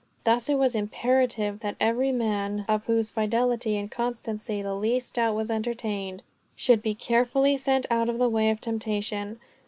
Thus it was imperative that every man, of whose fidelity and constancy the least doubt was entertained, should be carefully sent out of the way of temptation.